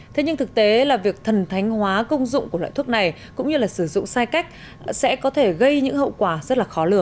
thế nhưng thực tế là việc thần thánh hóa công dụng của loại thuốc này cũng như là sử dụng sai cách sẽ có thể gây những hậu quả rất là khó lừa